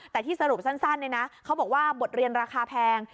แต่ที่สรุปสั้นเขาบอกว่าบทเรียนราคาแพง